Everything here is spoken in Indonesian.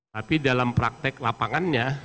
tapi dalam praktek lapangannya